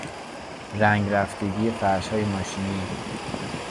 رنگ رفتگی فرشهای ماشینی